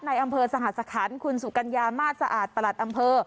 ในอำเภอสหสคันคุณสุกัญญามาสสะอาดประหลัดอำเภอ